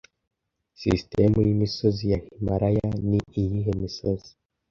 Sisitemu y'imisozi ya Himalaya ni iyihe misozi